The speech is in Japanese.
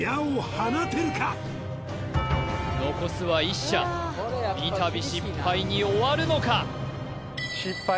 この残すは１射三たび失敗に終わるのか？